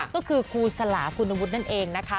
ก็คือครูสลาคุณวุฒินั่นเองนะคะ